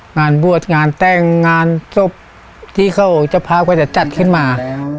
งานบวชงานแต้งงานทรพที่เขาจะพาเขาจะจัดขึ้นมา